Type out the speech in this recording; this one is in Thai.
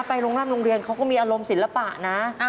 โรงร่างโรงเรียนเขาก็มีอารมณ์ศิลปะนะ